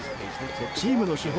チームの主砲